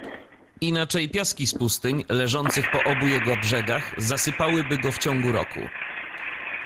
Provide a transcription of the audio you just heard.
Inaczej piaski z pustyń, leżących po obu jego brzegach, zasypałyby go w ciągu roku.